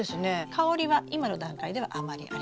香りは今の段階ではあまりありません。